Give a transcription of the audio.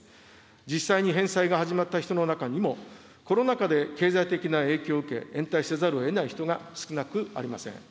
実際に返済が始まった人の中にも、コロナ禍で経済的な影響を受け、延滞せざるをえない人が少なくありません。